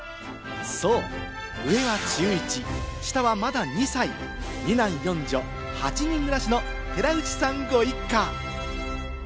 上は中１、下はまだ２歳、２男４女、８人暮らしの寺内さんご一家。